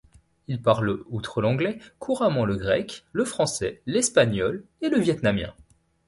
Il parle, outre l'anglais, couramment le grec, le français, l'espagnol et le vietnamien.